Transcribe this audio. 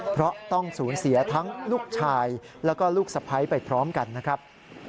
เพราะต้องสูญเสียทั้งลูกชายแล้วก็ลูกสะพ้ายไปพร้อมกันนะครับ